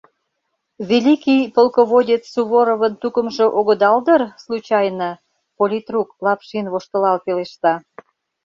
— Великий полководец Суворовын тукымжо огыдал дыр, случайно? — политрук Лапшин воштылал пелешта.